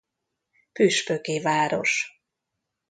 Püspöki város.